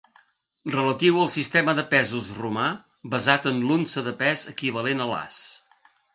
Relatiu al sistema de pesos romà basat en l'unça de pes equivalent a l'as.